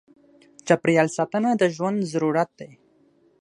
چاپېریال ساتنه د ژوند ضرورت دی.